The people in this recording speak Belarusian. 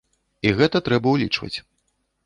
І гэта трэба ўлічваць.